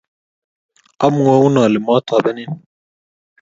omwoun ale mwotobenin